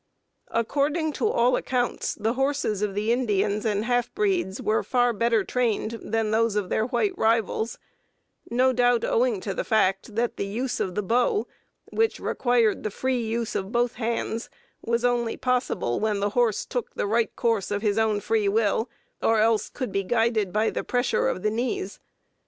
According to all accounts the horses of the Indians and half breeds were far better trained than those of their white rivals, no doubt owing to the fact that the use of the bow, which required the free use of both hands, was only possible when the horse took the right coarse of his own free will or else could be guided by the pressure of the knees.